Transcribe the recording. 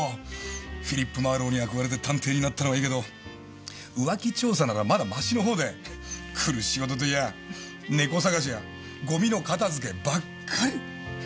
フィリップ・マーロウに憧れて探偵になったのはいいけど浮気調査ならまだマシの方で来る仕事といやぁネコ捜しやゴミの片づけばっかり。